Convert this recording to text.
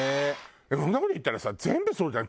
そんな事言ったらさ全部そうじゃん。